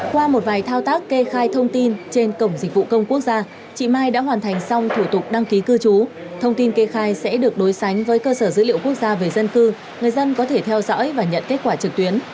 qua một vài thao tác kê khai thông tin trên cổng dịch vụ công quốc gia chị mai đã hoàn thành xong thủ tục đăng ký cư trú thông tin kê khai sẽ được đối sánh với cơ sở dữ liệu quốc gia về dân cư người dân có thể theo dõi và nhận kết quả trực tuyến